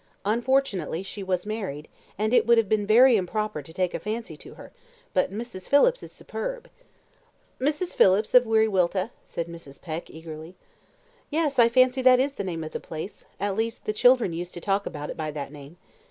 Unfortunately, she was married, and it would have been very improper to take a fancy to her, but Mrs. Phillips is superb." "Mrs. Phillips of Wiriwilta?" said Mrs. Peck, eagerly. "Yes, I fancy that is the name of the place; at least the children used to talk about it by that name.